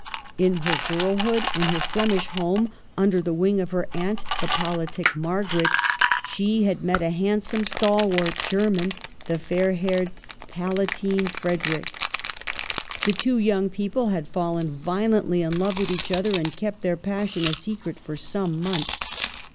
In her girl hood, in her Flemish home, under the wing of her aunt, the politic Margaret, she had met a handsome, stalwart German, the fair haired Pala tine Frederic. The two young people had fallen violently in love with each other, and kept their passion a secret for some months.